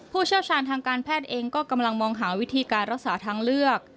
เชี่ยวชาญทางการแพทย์เองก็กำลังมองหาวิธีการรักษาทางเลือก